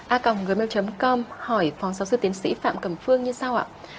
a ng gmail com hỏi phóng sáu sư tiến sĩ phạm cẩm phương như sau ạ